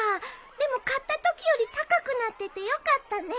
でも買ったときより高くなっててよかったね。